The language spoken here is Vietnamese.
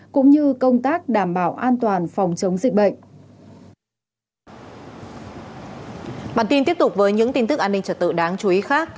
cũng như công tác đảm bảo an toàn phòng chống dịch bệnh